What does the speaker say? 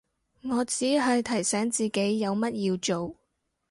我只係提醒自己有乜要做